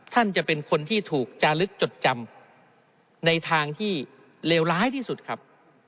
ท่านจะเป็นคนที่ถูกจาลึกจดจำในทางที่เลวร้ายที่สุดครับ